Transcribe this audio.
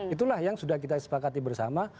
itulah yang sudah kita sepakati bersama